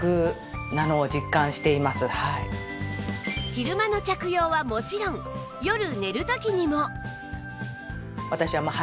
昼間の着用はもちろん夜寝る時にも